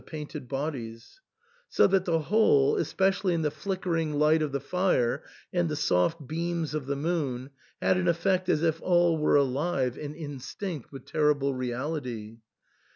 painted bodies, so that the whole, especially in the flickering light of the fire and the soft beams of the moon, had an effect as if all were alive and instinct with terrible reality.